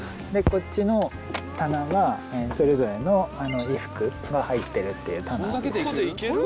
でこっちの棚はそれぞれの衣服が入ってるっていう棚です。